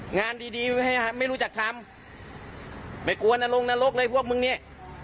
งานดีดีไม่รู้จักทำไม่กลัวนรงนรกเลยพวกมึงเนี่ย